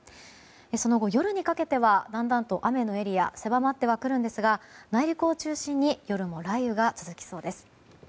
その後、夜にかけてはだんだんと雨のエリアは狭まってはくるんですが内陸を中心に夜も雷雨が続きそうです。